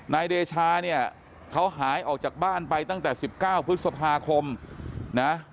นายเดชาเนี่ยเขาหายออกจากบ้านไปตั้งแต่๑๙พฤษภาคมนะ